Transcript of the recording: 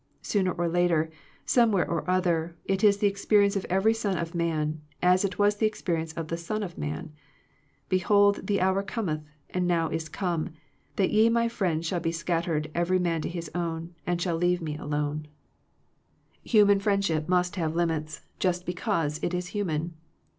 Sooner or later, somewhere or other, it is the experience of every son of man, as it was the experience of the Son of Man, "Behold the hour cometh, and now is come, that ye My friends shall be scat tered every man to his own, and shall leave Me alone.*' TGTJ Digitized by VjOOQIC THE LIMITS OF FRIENDSHIP Human friendship must have limits, just because it is human.